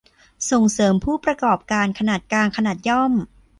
ส่งเสริมผู้ประกอบการขนาดกลาง ขนาดย่อม